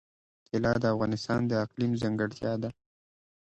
طلا د افغانستان د اقلیم ځانګړتیا ده.